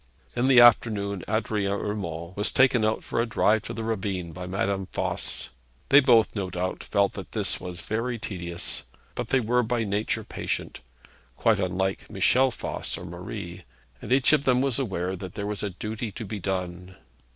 In the afternoon Adrian Urmand was taken out for a drive to the ravine by Madame Voss. They both, no doubt, felt that this was very tedious; but they were by nature patient quite unlike Michel Voss or Marie and each of them was aware that there was a duty to be done.